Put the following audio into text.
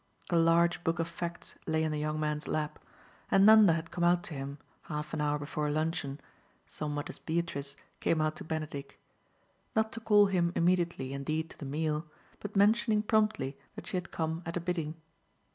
A large book of facts lay in the young man's lap, and Nanda had come out to him, half an hour before luncheon, somewhat as Beatrice came out to Benedick: not to call him immediately indeed to the meal, but mentioning promptly that she had come at a bidding.